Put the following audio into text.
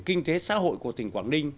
kinh tế xã hội của tỉnh quảng ninh